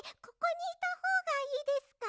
ここにいたほうがいいですか？